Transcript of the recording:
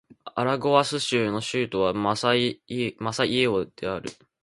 アラゴアス州の州都はマセイオである